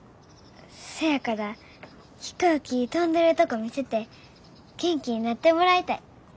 せやから飛行機飛んでるとこ見せて元気になってもらいたい。